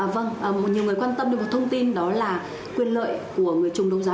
vâng nhiều người quan tâm được một thông tin đó là quyền lợi của người chung đấu giá